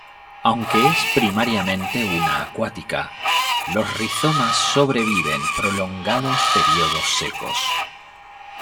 Aunque es primariamente una acuática, los rizomas sobreviven prolongados períodos secos.